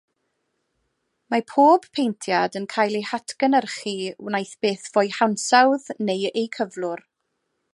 Mae pob paentiad yn cael eu hatgynhyrchu waeth beth fo'u hansawdd neu eu cyflwr.